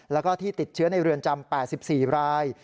แล้วก็ที่ติดเชื้อในเรือนจำ๘๔ราย